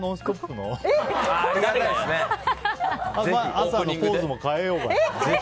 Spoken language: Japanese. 朝のポーズも変えようか。